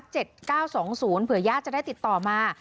เจ็ดเก้าสองศูนย์เผื่อญาติจะได้ติดต่อมา